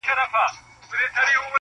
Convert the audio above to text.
o له کلي و تښته، له نرخه ئې نه.